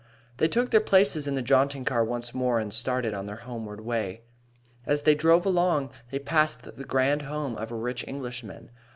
They took their places in the jaunting car once more, and started on their homeward way. As they drove along, they passed the grand home of a rich Englishman.